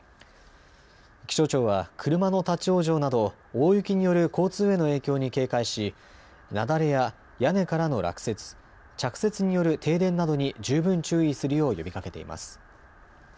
気象庁は車の立往生など大雪による交通への影響に警戒し雪崩や屋根からの落雪、着雪による停電などに十分注意するよう呼びかけています。